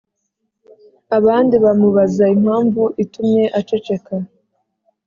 abandi bamubaza impamvu itumye aceceka.